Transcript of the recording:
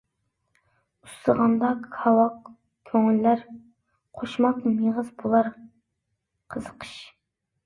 ئۇسسىغاندا كاۋاك كۆڭۈللەر، قوشماق مېغىز بولار قىزىقىش.